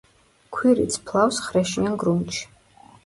ქვირითს ფლავს ხრეშიან გრუნტში.